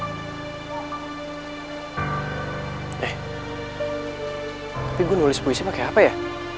tapi gue nulis puisi pakai apa ya